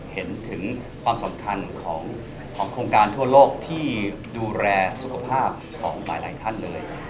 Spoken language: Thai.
เห็นถึงความสำคัญของโครงการทั่วโลกที่ดูแลสุขภาพของหลายท่านเลย